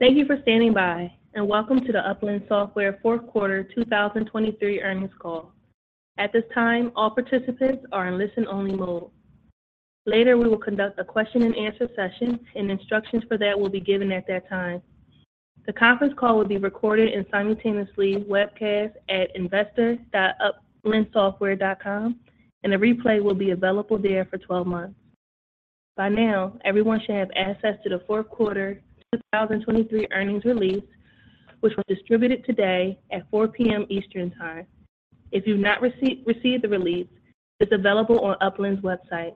Thank you for standing by, and welcome to the Upland Software Fourth Quarter 2023 earnings call. At this time, all participants are in listen-only mode. Later, we will conduct a question-and-answer session, and instructions for that will be given at that time. The conference call will be recorded and simultaneously webcast at investor.uplandsoftware.com, and a replay will be available there for 12 months. By now, everyone should have access to the fourth quarter 2023 earnings release, which was distributed today at 4:00 P.M. Eastern Time. If you've not received the release, it's available on Upland's website.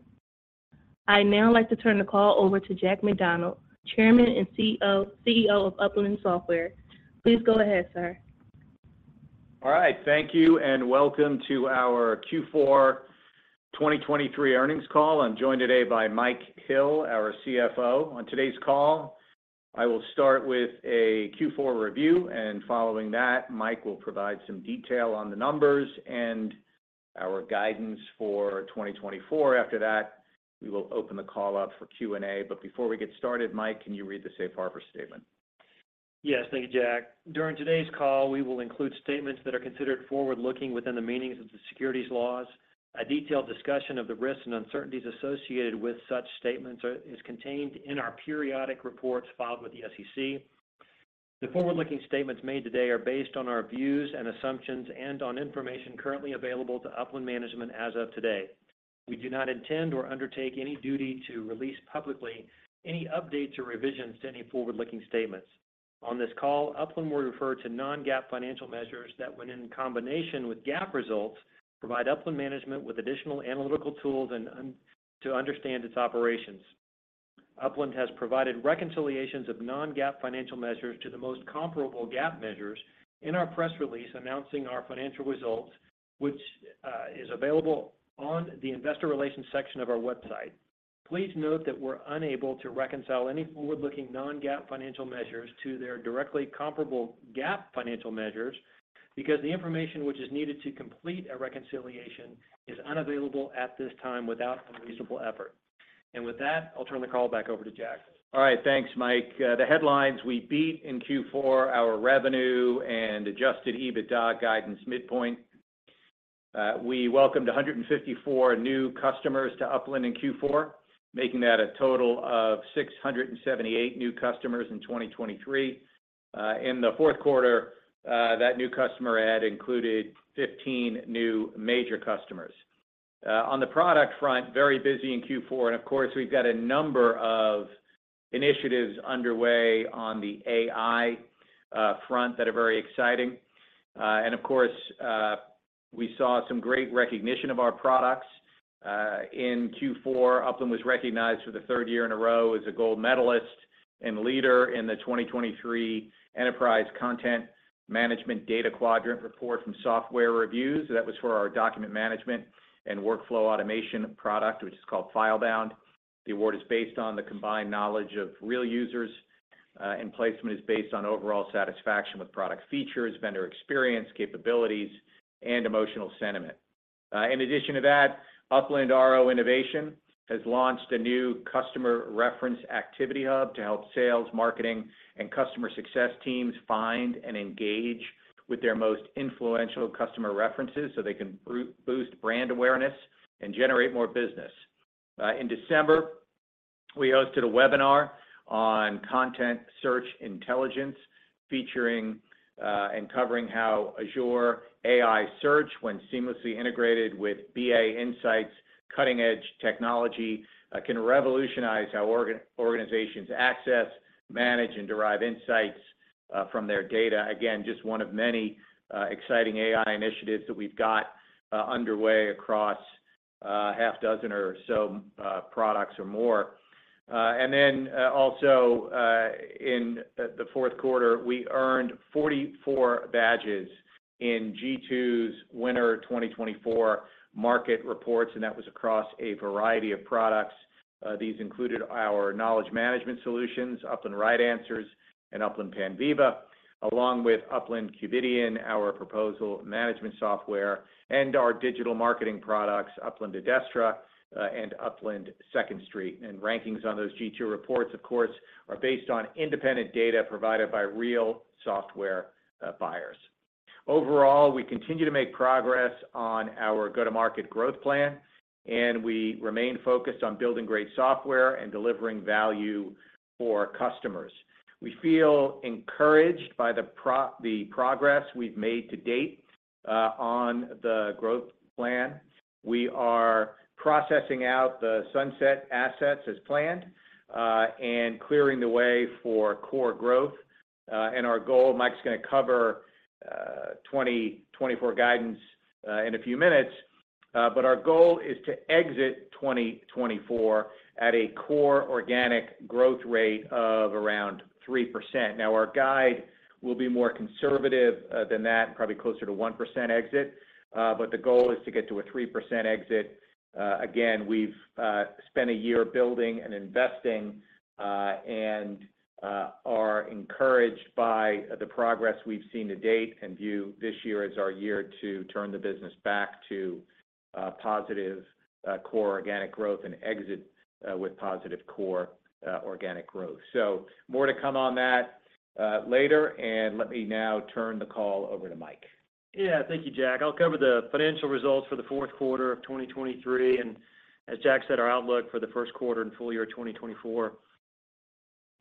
I now like to turn the call over to Jack McDonald, Chairman and CEO of Upland Software. Please go ahead, sir. All right. Thank you and welcome to our Q4 2023 earnings call. I'm joined today by Mike Hill, our CFO. On today's call, I will start with a Q4 review, and following that, Mike will provide some detail on the numbers and our guidance for 2024. After that, we will open the call up for Q&A. But before we get started, Mike, can you read the Safe Harbor Statement? Yes. Thank you, Jack. During today's call, we will include statements that are considered forward-looking within the meanings of the securities laws. A detailed discussion of the risks and uncertainties associated with such statements is contained in our periodic reports filed with the SEC. The forward-looking statements made today are based on our views and assumptions and on information currently available to Upland management as of today. We do not intend or undertake any duty to release publicly any updates or revisions to any forward-looking statements. On this call, Upland will refer to non-GAAP financial measures that, when in combination with GAAP results, provide Upland management with additional analytical tools to understand its operations. Upland has provided reconciliations of non-GAAP financial measures to the most comparable GAAP measures in our press release announcing our financial results, which is available on the investor relations section of our website. Please note that we're unable to reconcile any forward-looking non-GAAP financial measures to their directly comparable GAAP financial measures because the information which is needed to complete a reconciliation is unavailable at this time without unreasonable effort. With that, I'll turn the call back over to Jack. All right. Thanks, Mike. The headlines: We beat in Q4 our revenue and Adjusted EBITDA guidance midpoint. We welcomed 154 new customers to Upland in Q4, making that a total of 678 new customers in 2023. In the fourth quarter, that new customer add included 15 new major customers. On the product front, very busy in Q4. And of course, we've got a number of initiatives underway on the AI front that are very exciting. And of course, we saw some great recognition of our products. In Q4, Upland was recognized for the third year in a row as a Gold Medalist and Leader in the 2023 Enterprise Content Management Data Quadrant Report from SoftwareReviews. That was for our document management and workflow automation product, which is called FileBound. The award is based on the combined knowledge of real users, and placement is based on overall satisfaction with product features, vendor experience, capabilities, and emotional sentiment. In addition to that, Upland RO Innovation has launched a new customer reference activity hub to help sales, marketing, and customer success teams find and engage with their most influential customer references so they can boost brand awareness and generate more business. In December, we hosted a webinar on content search intelligence featuring and covering how Azure AI Search, when seamlessly integrated with BA Insight's cutting-edge technology, can revolutionize how organizations access, manage, and derive insights from their data. Again, just one of many exciting AI initiatives that we've got underway across a half dozen or so products or more. And then also, in the fourth quarter, we earned 44 badges in G2's Winter 2024 market reports, and that was across a variety of products. These included our knowledge management solutions, Upland RightAnswers and Upland Panviva, along with Upland Qvidian, our proposal management software, and our digital marketing products, Upland Adestra and Upland Second Street. And rankings on those G2 reports, of course, are based on independent data provided by real software buyers. Overall, we continue to make progress on our go-to-market growth plan, and we remain focused on building great software and delivering value for customers. We feel encouraged by the progress we've made to date on the growth plan. We are processing out the sunset assets as planned and clearing the way for core growth. Our goal Mike is going to cover 2024 guidance in a few minutes, but our goal is to exit 2024 at a core organic growth rate of around 3%. Now, our guide will be more conservative than that, probably closer to 1% exit, but the goal is to get to a 3% exit. Again, we've spent a year building and investing and are encouraged by the progress we've seen to date and view this year as our year to turn the business back to positive core organic growth and exit with positive core organic growth. More to come on that later. Let me now turn the call over to Mike. Yeah. Thank you, Jack. I'll cover the financial results for the fourth quarter of 2023. And as Jack said, our outlook for the first quarter and full year of 2024.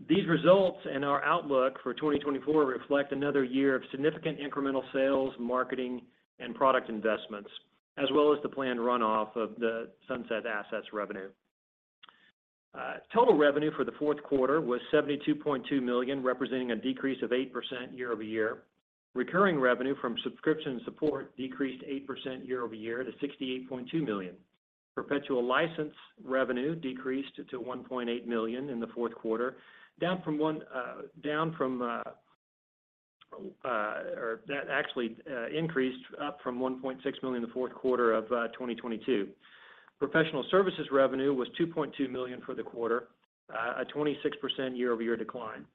These results and our outlook for 2024 reflect another year of significant incremental sales, marketing, and product investments, as well as the planned runoff of the sunset assets revenue. Total revenue for the fourth quarter was $72.2 million, representing a decrease of 8% year-over-year. Recurring revenue from subscription support decreased 8% year-over-year to $68.2 million. Perpetual license revenue decreased to $1.8 million in the fourth quarter, down from 1 or actually, increased up from $1.6 million the fourth quarter of 2022. Professional services revenue was $2.2 million for the quarter, a 26% year-over-year decline.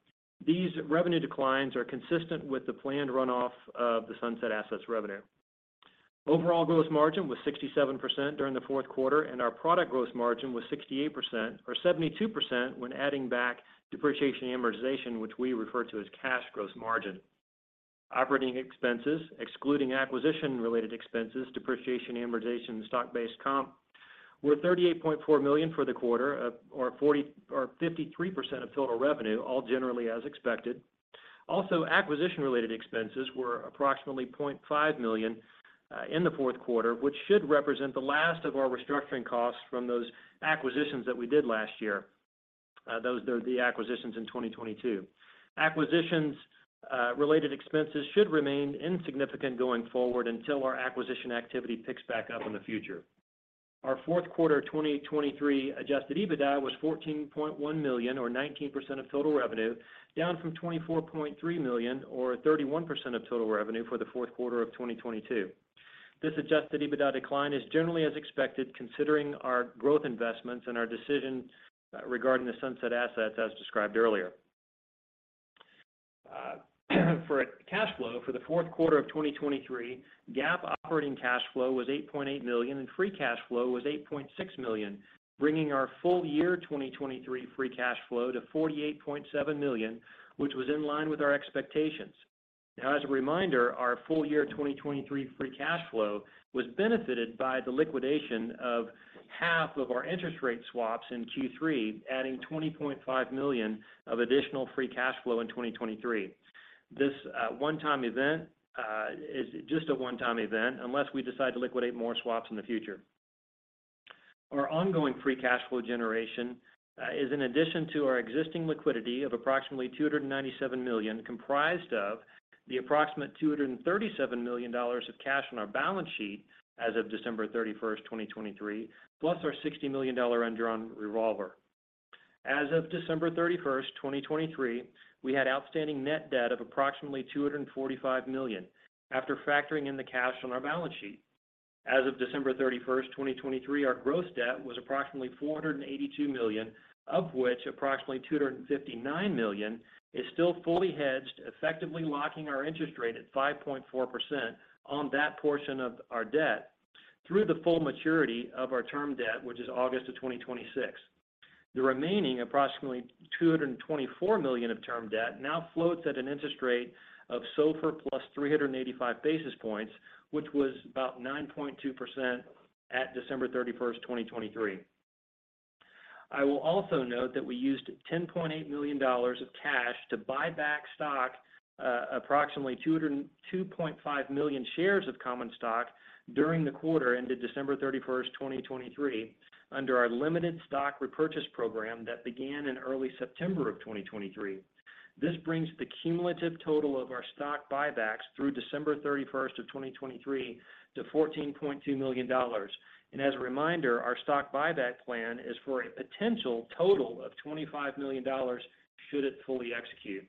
These revenue declines are consistent with the planned runoff of the sunset assets revenue. Overall gross margin was 67% during the fourth quarter, and our product gross margin was 68% or 72% when adding back depreciation and amortization, which we refer to as cash gross margin. Operating expenses, excluding acquisition-related expenses, depreciation, amortization, and stock-based comp, were $38.4 million for the quarter or 53% of total revenue, all generally as expected. Also, acquisition-related expenses were approximately $0.5 million in the fourth quarter, which should represent the last of our restructuring costs from those acquisitions that we did last year. Those are the acquisitions in 2022. Acquisition-related expenses should remain insignificant going forward until our acquisition activity picks back up in the future. Our fourth quarter 2023 Adjusted EBITDA was $14.1 million or 19% of total revenue, down from $24.3 million or 31% of total revenue for the fourth quarter of 2022. This Adjusted EBITDA decline is generally as expected, considering our growth investments and our decision regarding the sunset assets, as described earlier. For cash flow for the fourth quarter of 2023, GAAP operating cash flow was $8.8 million, and free cash flow was $8.6 million, bringing our full year 2023 free cash flow to $48.7 million, which was in line with our expectations. Now, as a reminder, our full year 2023 free cash flow was benefited by the liquidation of half of our interest rate swaps in Q3, adding $20.5 million of additional free cash flow in 2023. This one-time event is just a one-time event unless we decide to liquidate more swaps in the future. Our ongoing free cash flow generation is, in addition to our existing liquidity of approximately $297 million, comprised of the approximate $237 million of cash on our balance sheet as of December 31st, 2023, plus our $60 million undrawn revolver. As of December 31st, 2023, we had outstanding net debt of approximately $245 million after factoring in the cash on our balance sheet. As of December 31st, 2023, our gross debt was approximately $482 million, of which approximately $259 million is still fully hedged, effectively locking our interest rate at 5.4% on that portion of our debt through the full maturity of our term debt, which is August of 2026. The remaining approximately $224 million of term debt now floats at an interest rate of SOFR plus 385 basis points, which was about 9.2% at December 31st, 2023. I will also note that we used $10.8 million of cash to buy back stock, approximately 2.5 million shares of common stock, during the quarter ended December 31st, 2023, under our limited stock repurchase program that began in early September of 2023. This brings the cumulative total of our stock buybacks through December 31st of 2023 to $14.2 million. And as a reminder, our stock buyback plan is for a potential total of $25 million should it fully execute.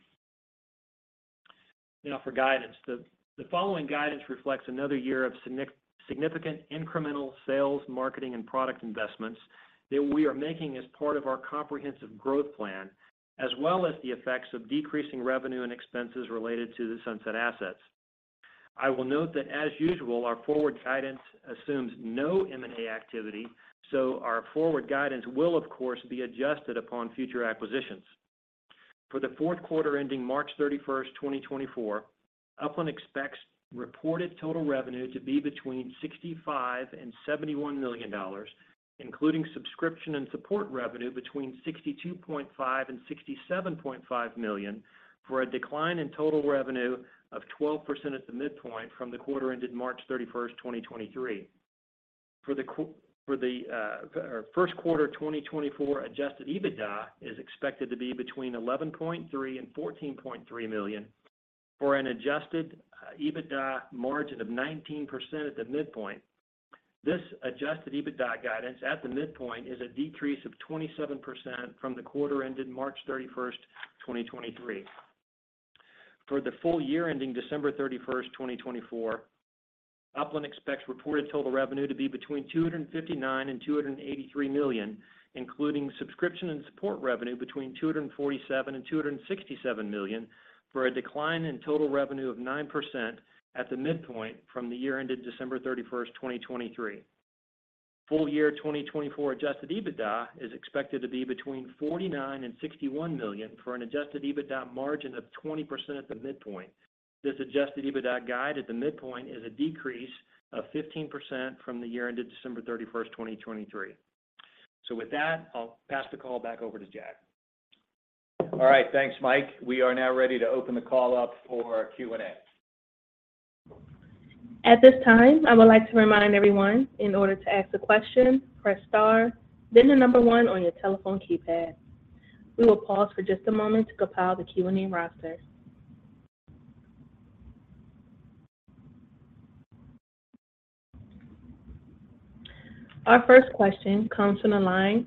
Now, for guidance, the following guidance reflects another year of significant incremental sales, marketing, and product investments that we are making as part of our comprehensive growth plan, as well as the effects of decreasing revenue and expenses related to the sunset assets. I will note that, as usual, our forward guidance assumes no M&A activity, so our forward guidance will, of course, be adjusted upon future acquisitions. For the fourth quarter ending March 31st, 2024, Upland expects reported total revenue to be between $65-$71 million, including subscription and support revenue between $62.5-$67.5 million, for a decline in total revenue of 12% at the midpoint from the quarter ended March 31st, 2023. For the first quarter 2024 Adjusted EBITDA is expected to be between $11.3-$14.3 million for an Adjusted EBITDA margin of 19% at the midpoint. This Adjusted EBITDA guidance at the midpoint is a decrease of 27% from the quarter ended March 31st, 2023. For the full year ending December 31st, 2024, Upland expects reported total revenue to be between $259-$283 million, including subscription and support revenue between $247-$267 million, for a decline in total revenue of 9% at the midpoint from the year ended December 31st, 2023. Full year 2024 Adjusted EBITDA is expected to be between $49-$61 million for an Adjusted EBITDA margin of 20% at the midpoint. This Adjusted EBITDA guide at the midpoint is a decrease of 15% from the year ended December 31st, 2023. So with that, I'll pass the call back over to Jack. All right. Thanks, Mike. We are now ready to open the call up for Q&A. At this time, I would like to remind everyone, in order to ask a question, press star, then the number one on your telephone keypad. We will pause for just a moment to compile the Q&A roster. Our first question comes from the line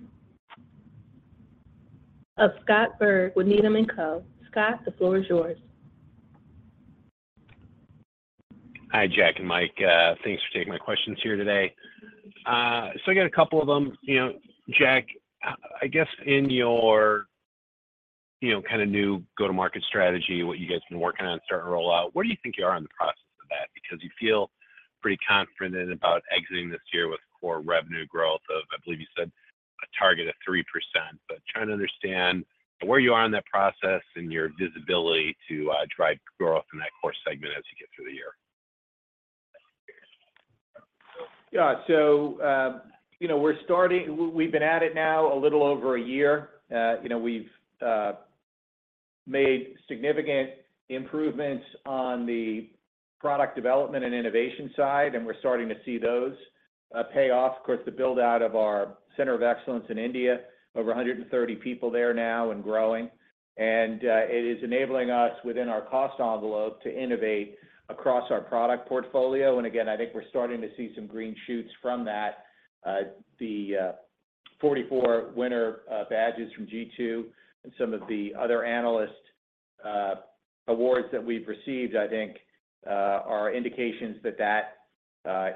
of Scott Berg with Needham & Co. Scott, the floor is yours. Hi, Jack and Mike. Thanks for taking my questions here today. So I got a couple of them. Jack, I guess in your kind of new go-to-market strategy, what you guys have been working on starting to roll out, where do you think you are in the process of that? Because you feel pretty confident about exiting this year with core revenue growth of, I believe you said, a target of 3%. But trying to understand where you are in that process and your visibility to drive growth in that core segment as you get through the year. Yeah. So we've been at it now a little over a year. We've made significant improvements on the product development and innovation side, and we're starting to see those pay off. Of course, the build-out of our Center of Excellence in India, over 130 people there now and growing. It is enabling us, within our cost envelope, to innovate across our product portfolio. Again, I think we're starting to see some green shoots from that. The 2024 winner badges from G2 and some of the other analyst awards that we've received, I think, are indications that that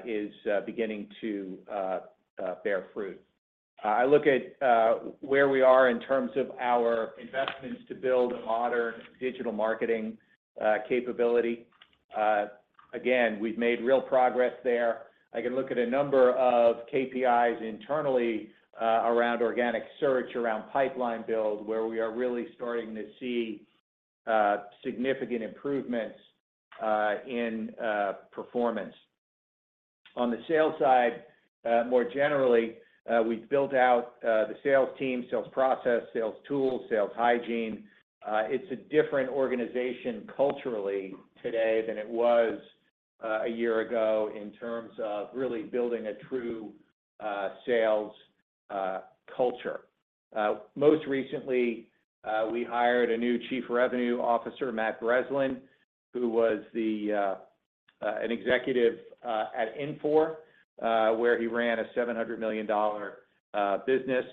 is beginning to bear fruit. I look at where we are in terms of our investments to build a modern digital marketing capability. Again, we've made real progress there. I can look at a number of KPIs internally around organic search, around pipeline build, where we are really starting to see significant improvements in performance. On the sales side, more generally, we've built out the sales team, sales process, sales tools, sales hygiene. It's a different organization culturally today than it was a year ago in terms of really building a true sales culture. Most recently, we hired a new Chief Revenue Officer, Matt Breslin, who was an executive at Infor, where he ran a $700 million business.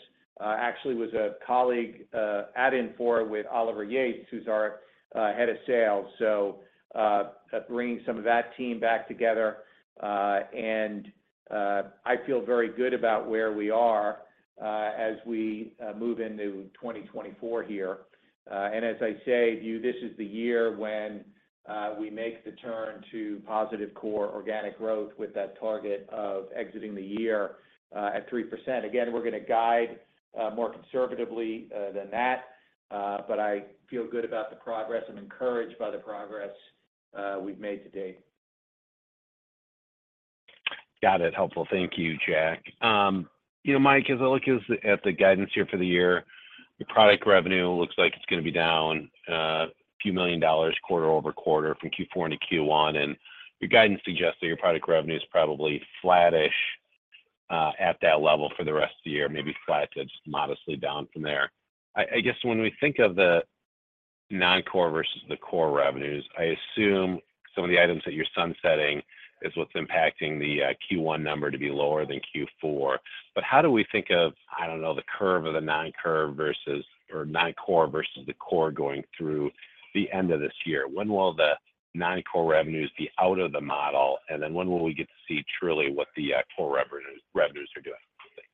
Actually, he was a colleague at Infor with Oliver Yates, who's our head of sales. So bringing some of that team back together. And I feel very good about where we are as we move into 2024 here. As I say to you, this is the year when we make the turn to positive core organic growth with that target of exiting the year at 3%. Again, we're going to guide more conservatively than that, but I feel good about the progress. I'm encouraged by the progress we've made to date. Got it. Helpful. Thank you, Jack. Mike, as I look at the guidance here for the year, your product revenue looks like it's going to be down $a few million quarter over quarter from Q4 to Q1. Your guidance suggests that your product revenue is probably flat-ish at that level for the rest of the year, maybe flat to just modestly down from there. I guess when we think of the non-core versus the core revenues, I assume some of the items that you're sunsetting is what's impacting the Q1 number to be lower than Q4. But how do we think of, I don't know, the curve of the non-core versus the core going through the end of this year? When will the non-core revenues be out of the model? And then when will we get to see truly what the core revenues are doing? Thanks.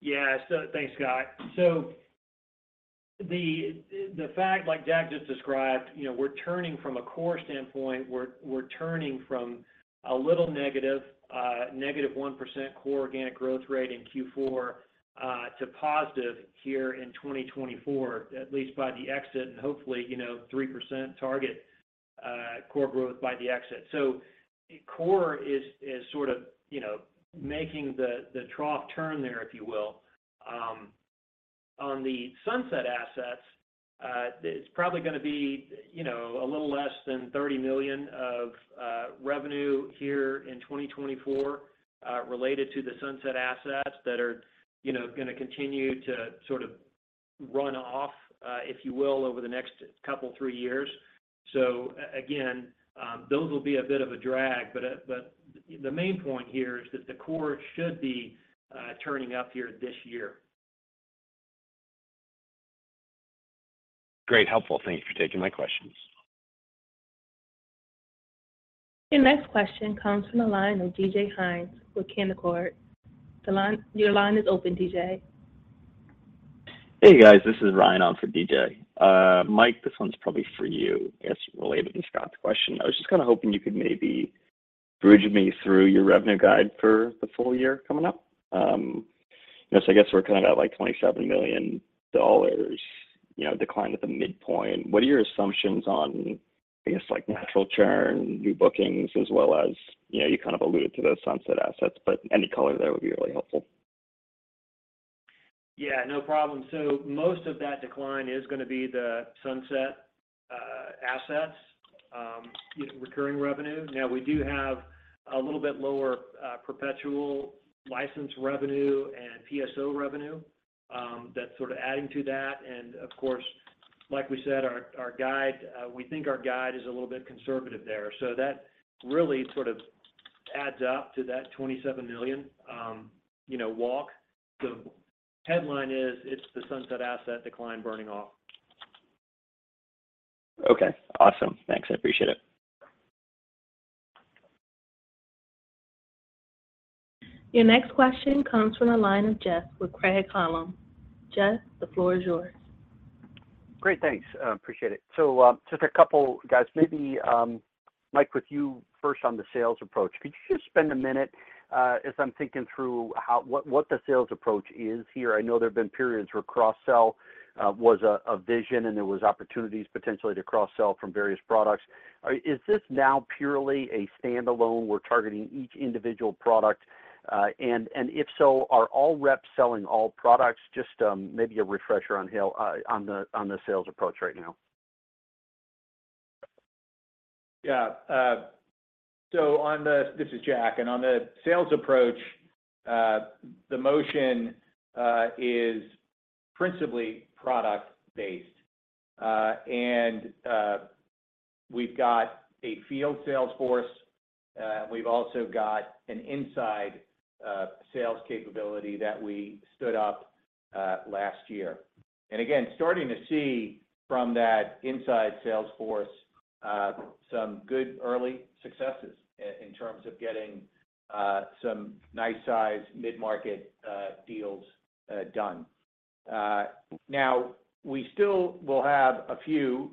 Yeah. So thanks, Scott. So the fact, like Jack just described, we're turning from a core standpoint. We're turning from a little negative, negative 1% core organic growth rate in Q4 to positive here in 2024, at least by the exit, and hopefully 3% target core growth by the exit. So core is sort of making the trough turn there, if you will. On the sunset assets, it's probably going to be a little less than $30 million of revenue here in 2024 related to the sunset assets that are going to continue to sort of run off, if you will, over the next couple, three years. So again, those will be a bit of a drag. But the main point here is that the core should be turning up here this year. Great. Helpful. Thank you for taking my questions. Your next question comes from the line of DJ Hynes with Canaccord Genuity. Your line is open, DJ. Hey, guys. This is Ryan on for DJ. Mike, this one's probably for you. I guess it's related to Scott's question. I was just kind of hoping you could maybe bridge me through your revenue guide for the full year coming up. So I guess we're kind of at like $27 million decline at the midpoint. What are your assumptions on, I guess, natural churn, new bookings, as well as you kind of alluded to the sunset assets, but any color there would be really helpful? Yeah. No problem. So most of that decline is going to be the sunset assets, recurring revenue. Now, we do have a little bit lower perpetual license revenue and PSO revenue that's sort of adding to that. And of course, like we said, we think our guide is a little bit conservative there. So that really sort of adds up to that $27 million walk. The headline is it's the sunset asset decline burning off. Okay. Awesome. Thanks. I appreciate it. Your next question comes from the line of Jeff with Craig-Hallum. Jeff, the floor is yours. Great. Thanks. Appreciate it. So just a couple, guys. Maybe, Mike, with you first on the sales approach. Could you just spend a minute as I'm thinking through what the sales approach is here? I know there have been periods where cross-sell was a vision, and there were opportunities potentially to cross-sell from various products. Is this now purely a standalone? We're targeting each individual product. And if so, are all reps selling all products? Just maybe a refresher on the sales approach right now? Yeah. So this is Jack. And on the sales approach, the motion is principally product-based. And we've got a field sales force. We've also got an inside sales capability that we stood up last year. And again, starting to see from that inside sales force some good early successes in terms of getting some nice-size mid-market deals done. Now, we still will have a few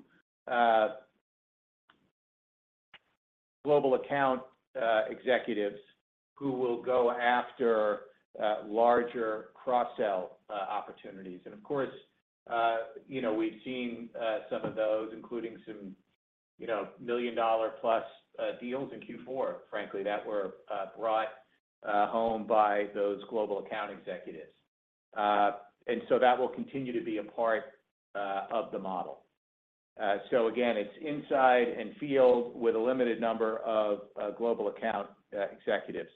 global account executives who will go after larger cross-sell opportunities. And of course, we've seen some of those, including some million-dollar-plus deals in Q4, frankly, that were brought home by those global account executives. And so that will continue to be a part of the model. So again, it's inside and field with a limited number of global account executives.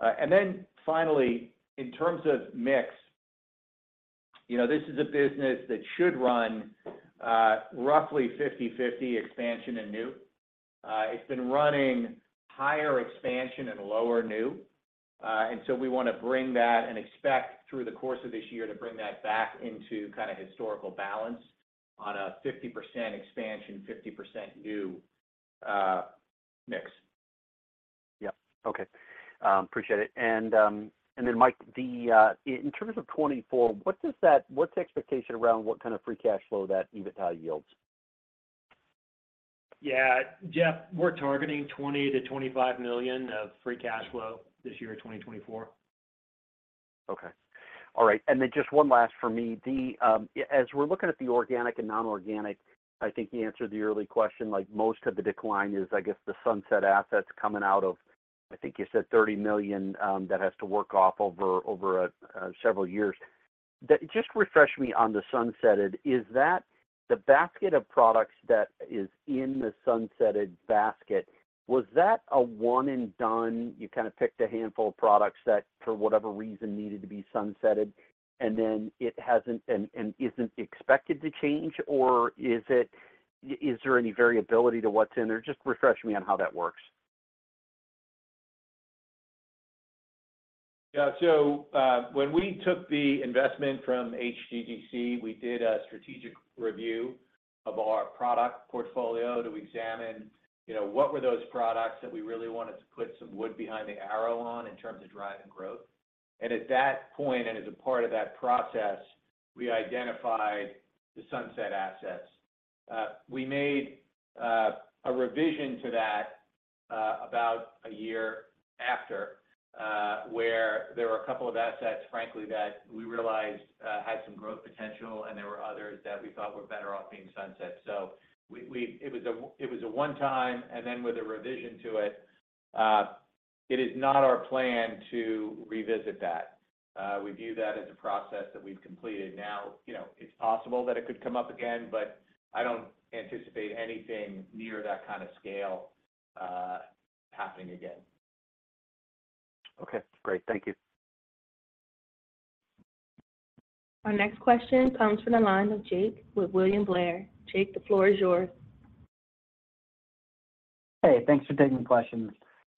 And then finally, in terms of mix, this is a business that should run roughly 50/50 expansion and new. It's been running higher expansion and lower new. And so we want to bring that and expect, through the course of this year, to bring that back into kind of historical balance on a 50% expansion, 50% new mix. Yep. Okay. Appreciate it. And then, Mike, in terms of 2024, what's the expectation around what kind of free cash flow that EBITDA yields? Yeah. Jeff, we're targeting $20 million-$25 million of free cash flow this year, 2024. Okay. All right. And then just one last for me. As we're looking at the organic and non-organic, I think you answered the early question. Most of the decline is, I guess, the sunset assets coming out of, I think you said, $30 million that has to work off over several years. Just refresh me on the sunsetted. Is that the basket of products that is in the sunsetted basket? Was that a one-and-done? You kind of picked a handful of products that, for whatever reason, needed to be sunsetted, and then it hasn't and isn't expected to change? Or is there any variability to what's in there? Just refresh me on how that works. Yeah. So when we took the investment from HGGC, we did a strategic review of our product portfolio to examine what were those products that we really wanted to put some wood behind the arrow on in terms of driving growth. And at that point, and as a part of that process, we identified the sunset assets. We made a revision to that about a year after where there were a couple of assets, frankly, that we realized had some growth potential, and there were others that we thought were better off being sunset. So it was a one-time. And then with a revision to it, it is not our plan to revisit that. We view that as a process that we've completed. Now, it's possible that it could come up again, but I don't anticipate anything near that kind of scale happening again. Okay. Great. Thank you. Our next question comes from the line of Jake with William Blair. Jake, the floor is yours. Hey. Thanks for taking the questions.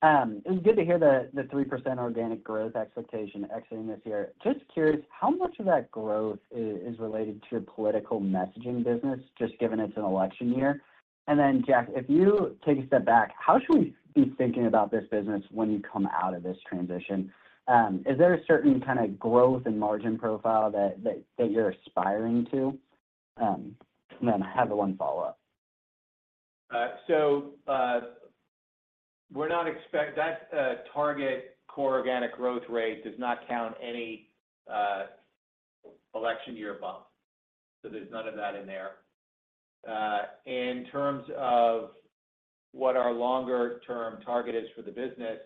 It was good to hear the 3% organic growth expectation exiting this year. Just curious, how much of that growth is related to your political messaging business, just given it's an election year? And then, Jack, if you take a step back, how should we be thinking about this business when you come out of this transition? Is there a certain kind of growth and margin profile that you're aspiring to? And then I have the one follow-up. So that target core organic growth rate does not count any election year above. So there's none of that in there. In terms of what our longer-term target is for the business,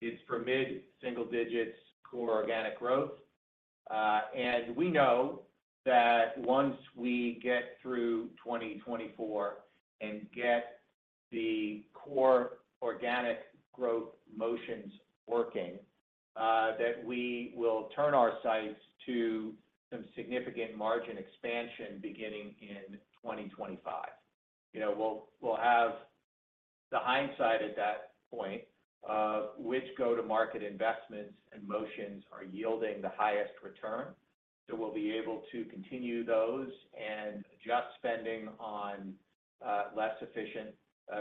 it's for mid-single digits core organic growth. We know that once we get through 2024 and get the core organic growth motions working, that we will turn our sights to some significant margin expansion beginning in 2025. We'll have the hindsight at that point of which go-to-market investments and motions are yielding the highest return. So we'll be able to continue those and adjust spending on less efficient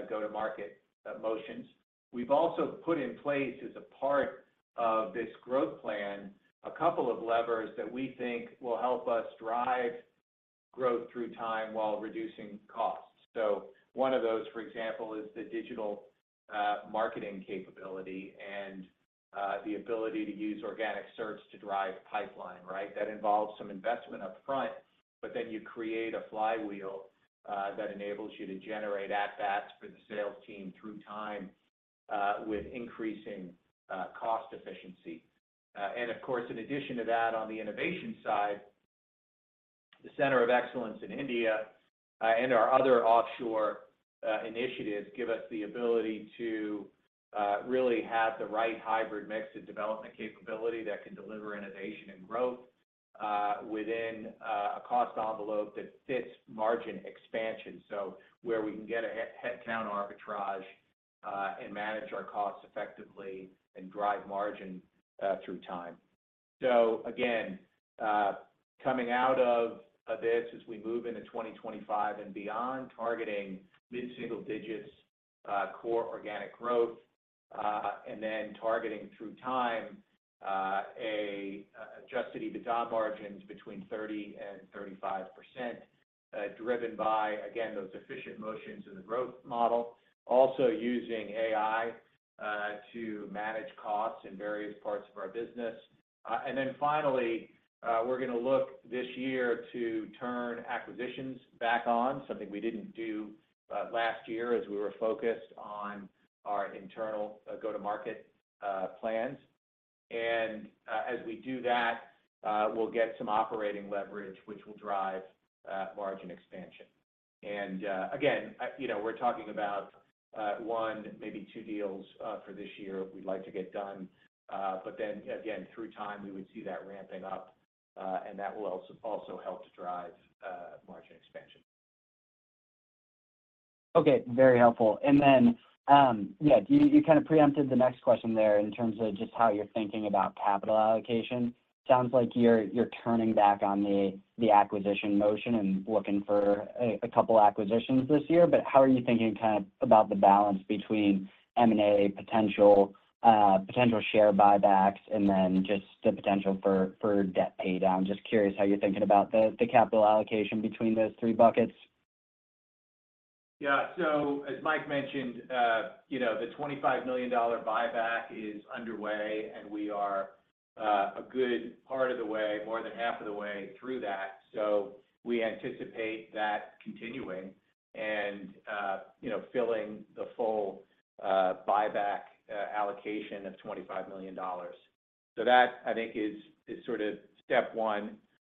go-to-market motions. We've also put in place, as a part of this growth plan, a couple of levers that we think will help us drive growth through time while reducing costs. So one of those, for example, is the digital marketing capability and the ability to use organic search to drive pipeline, right? That involves some investment upfront, but then you create a flywheel that enables you to generate at-bats for the sales team through time with increasing cost efficiency. And of course, in addition to that, on the innovation side, the Center of Excellence in India and our other offshore initiatives give us the ability to really have the right hybrid mix of development capability that can deliver innovation and growth within a cost envelope that fits margin expansion, so where we can get a headcount arbitrage and manage our costs effectively and drive margin through time. So again, coming out of this as we move into 2025 and beyond, targeting mid-single digits core organic growth and then targeting through time Adjusted EBITDA margins between 30%-35% driven by, again, those efficient motions in the growth model, also using AI to manage costs in various parts of our business. And then finally, we're going to look this year to turn acquisitions back on, something we didn't do last year as we were focused on our internal go-to-market plans. And as we do that, we'll get some operating leverage, which will drive margin expansion. And again, we're talking about one, maybe two deals for this year we'd like to get done. But then again, through time, we would see that ramping up, and that will also help to drive margin expansion. Okay. Very helpful. And then yeah, you kind of preempted the next question there in terms of just how you're thinking about capital allocation. Sounds like you're turning back on the acquisition motion and looking for a couple of acquisitions this year. But how are you thinking kind of about the balance between M&A, potential share buybacks, and then just the potential for debt paydown? Just curious how you're thinking about the capital allocation between those three buckets. Yeah. So as Mike mentioned, the $25 million buyback is underway, and we are a good part of the way, more than half of the way through that. So we anticipate that continuing and filling the full buyback allocation of $25 million. So that, I think, is sort of step one.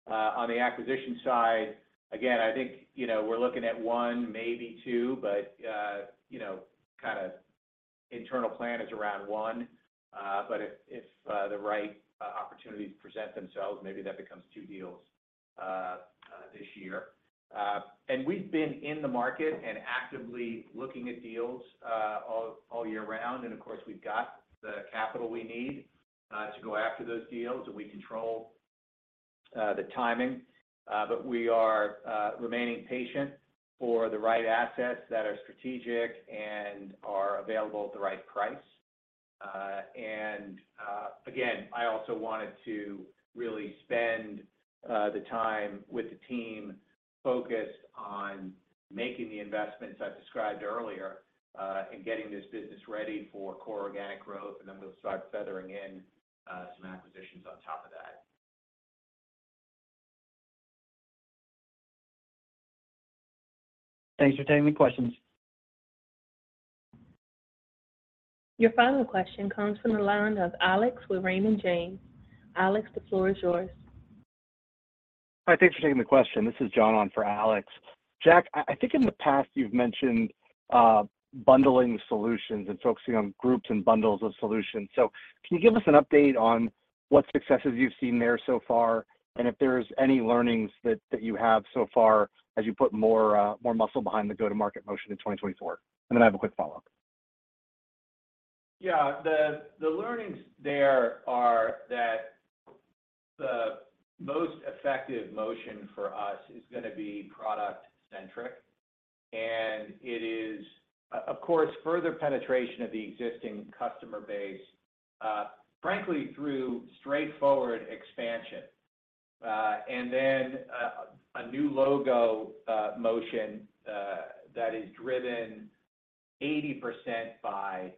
On the acquisition side, again, I think we're looking at one, maybe two, but kind of internal plan is around one. But if the right opportunities present themselves, maybe that becomes two deals this year. And we've been in the market and actively looking at deals all year round. And of course, we've got the capital we need to go after those deals, and we control the timing. But we are remaining patient for the right assets that are strategic and are available at the right price. And again, I also wanted to really spend the time with the team focused on making the investments I've described earlier and getting this business ready for core organic growth. And then we'll start feathering in some acquisitions on top of that. Thanks for taking the questions. Your final question comes from the line of Alex with Raymond James. Alex, the floor is yours. Hi. Thanks for taking the question. This is John on for Alex. Jack, I think in the past, you've mentioned bundling solutions and focusing on groups and bundles of solutions. So can you give us an update on what successes you've seen there so far and if there's any learnings that you have so far as you put more muscle behind the go-to-market motion in 2024? And then I have a quick follow-up. Yeah. The learnings there are that the most effective motion for us is going to be product-centric. And it is, of course, further penetration of the existing customer base, frankly, through straightforward expansion and then a new logo motion that is driven 80% by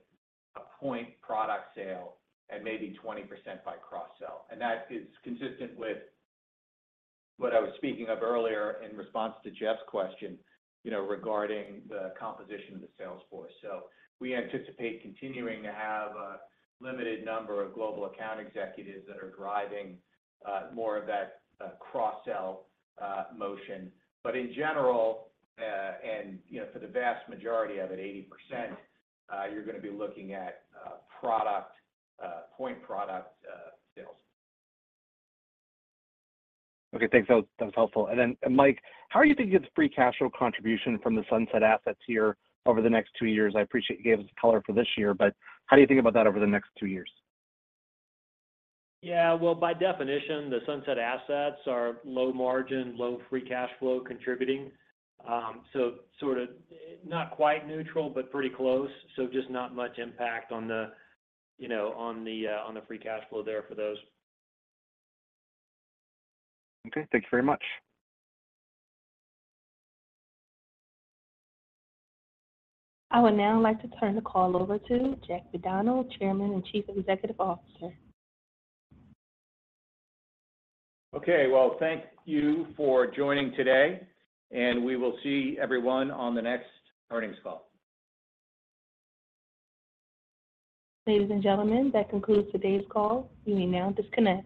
a point product sale and maybe 20% by cross-sell. And that is consistent with what I was speaking of earlier in response to Jeff's question regarding the composition of the sales force. So we anticipate continuing to have a limited number of global account executives that are driving more of that cross-sell motion. But in general, and for the vast majority of it, 80%, you're going to be looking at point product sales. Okay. Thanks. That was helpful. And then, Mike, how are you thinking of the free cash flow contribution from the sunset assets here over the next two years? I appreciate you gave us color for this year, but how do you think about that over the next two years? Yeah. Well, by definition, the sunset assets are low-margin, low-free cash flow contributing. So sort of not quite neutral but pretty close. So just not much impact on the free cash flow there for those. Okay. Thank you very much. I would now like to turn the call over to Jack McDonald, Chairman and Chief Executive Officer. Okay. Well, thank you for joining today. We will see everyone on the next earnings call. Ladies and gentlemen, that concludes today's call. You may now disconnect.